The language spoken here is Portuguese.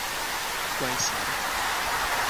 Guaiçara